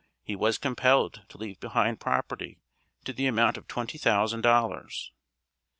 He was compelled to leave behind property to the amount of twenty thousand dollars.